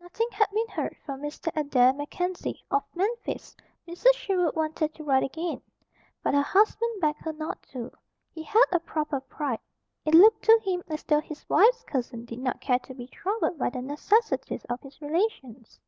Nothing had been heard from Mr. Adair MacKenzie, of Memphis. Mrs. Sherwood wanted to write again; but her husband begged her not to. He had a proper pride. It looked to him as though his wife's cousin did not care to be troubled by the necessities of his relations.